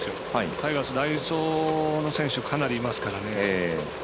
タイガースは代走の選手かなりいますからね。